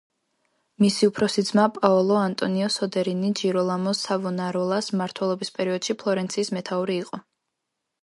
მისი უფროსი ძმა, პაოლო ანტონიო სოდერინი ჯიროლამო სავონაროლას მმართველობის პერიოდში ფლორენციის მეთაური იყო.